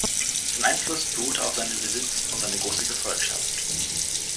Sein Einfluss beruhte auf seinen Besitz und seine große Gefolgschaft.